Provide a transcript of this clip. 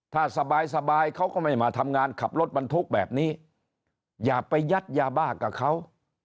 ถ้าสบายสบายเขาก็ไม่มาทำงานขับรถบรรทุกแบบนี้อย่าไปยัดยาบ้ากับเขา